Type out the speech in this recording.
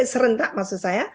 serentak maksud saya